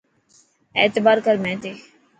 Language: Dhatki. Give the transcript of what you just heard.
اعتبار ڪر مين تي.